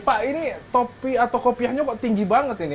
pak ini topi atau kopiahnya kok tinggi banget ini